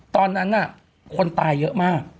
ตอนนั้นคนตายเยอะมาก